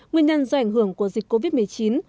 nguyên nhân do ảnh hưởng của dịch covid một mươi chín